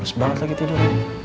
res banget lagi tidur